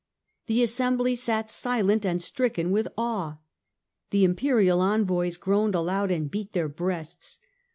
The assembly sat silent and stricken with awe. The Imperial envoys groaned aloud and beat their breasts.